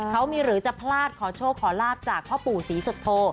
เขามีหรือจะพลาดขอโชคขอลาบจากพ่อปู่ศรีสุโธ